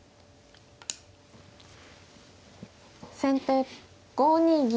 先手５二銀。